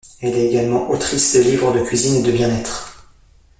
Elle est également autrice de livres de cuisine et de bien-être.